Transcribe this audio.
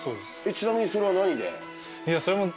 ちなみにそれは何で？